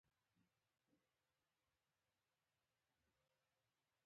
امیر کروړ سوري د پښتو ژبې لومړنی شعر ويلی